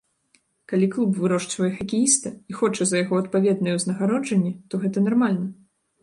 Калі клуб вырошчвае хакеіста і хоча за яго адпаведнае ўзнагароджанне, то гэта нармальна.